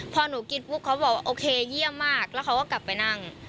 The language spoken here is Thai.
พอหนูกินปุ๊บเขาบอกว่าโอเคเยี่ยมมากแล้วเขาก็กลับไปนั่ง